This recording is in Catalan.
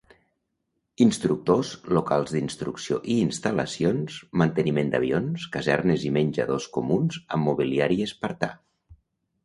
Instructors, locals d'instrucció i instal·lacions, manteniment d'avions, casernes i menjadors comuns amb mobiliari espartà.